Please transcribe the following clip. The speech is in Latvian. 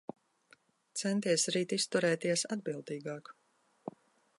Centies rīt izturēties atbildīgāk.